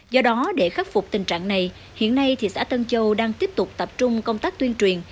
do đó để khắc phục tình trạng này hiện nay thị xã tân châu đang tiếp tục tập trung công tác tuyên truyền